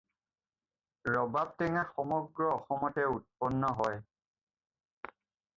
ৰবাব টেঙা সমগ্ৰ অসমতে উৎপন্ন হয়।